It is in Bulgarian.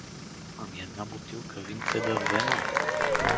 — Ами една бутилка винце да взема ли?